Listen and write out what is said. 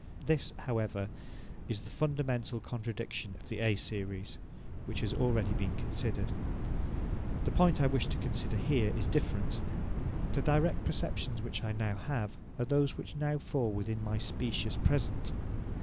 This, however, is the fundamental contradiction of the A series, which has been already considered. The point I wish to consider here is different. The direct perceptions which I now have are those which now fall within my "specious present".